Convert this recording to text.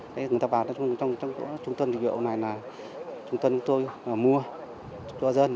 người ta bảo trong trung tâm dịch vụ này là trung tâm tôi mua cho dân